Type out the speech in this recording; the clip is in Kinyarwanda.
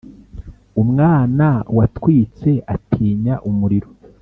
umwana watwitse atinya umuriro.